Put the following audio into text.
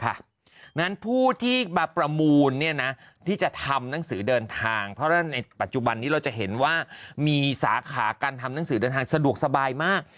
เพราะฉะนั้นผู้ที่มาประมูลที่จะทำหนังสือเดินทางเพราะฉะนั้นในปัจจุบันนี้เราจะเห็นว่ามีสาขาการทำหนังสือเดินทางสะดวกสบายมาก